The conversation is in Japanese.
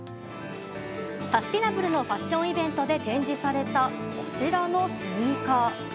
サスティナブルのファッションイベントで展示されたこちらのスニーカー。